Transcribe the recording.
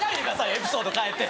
エピソード変えて。